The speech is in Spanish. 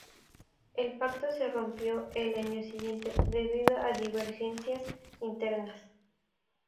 El pacto se rompió el año siguiente debido a divergencias internas.